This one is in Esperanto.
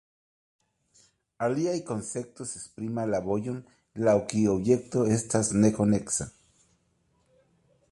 Aliaj konceptoj esprimas la vojon laŭ kiu objekto estas "ne" koneksa.